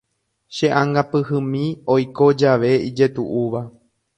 Che'angapyhymi oiko jave ijetu'úva.